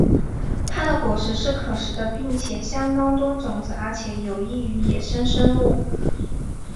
它的果实是可食的并且相当多种子而且有益于野生生物。